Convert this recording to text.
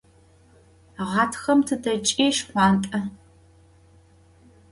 Ğatxem tıdeç'i şşxhuant'e.